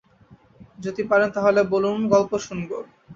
যদি পারেন তাহলে বলুন, গল্প শুনব।